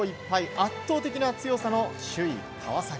圧倒的な強さの首位、川崎。